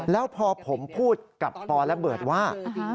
แล้วพอผมพูดกับปอระเบิดว่า